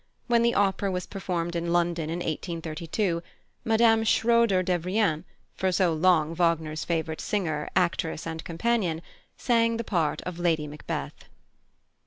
When the opera was performed in London in 1832, Mme. Schroeder Devrient, for so long Wagner's favourite singer, actress, and companion, sang the part of Lady Macbeth.